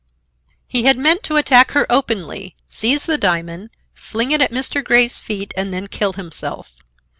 He had meant to attack her openly, seize the diamond, fling it at Mr. Grey's feet, and then kill himself.